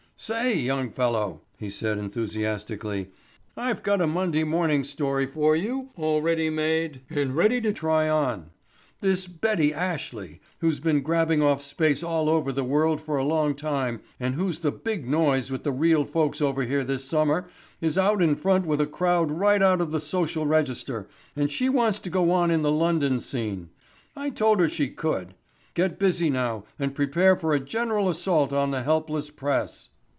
"Say, young fellow," he said enthusiastically, "I've got a Monday morning story for you already made and ready to try on. This Betty Ashley who's been grabbing off space all over the world for a long time and who's the big noise with the real folks over here this summer, is out in front with a crowd right out of the social register, and she wants to go on in the London scene. I told her she could. Get busy now and prepare for a general assault on the helpless press."